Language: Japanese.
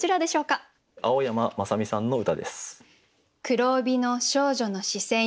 青山正美さんの歌です。